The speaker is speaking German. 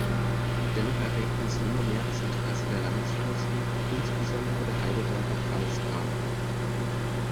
Dennoch erregten sie immer mehr das Interesse der Landesfürsten, insbesondere der Heidelberger Pfalzgrafen.